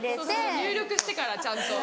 入力してからちゃんと。